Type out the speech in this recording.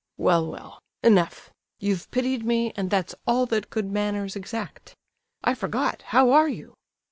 "Well, well! Enough! You've pitied me, and that's all that good manners exact. I forgot, how are you?"